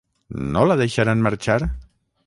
No la deixaran marxar?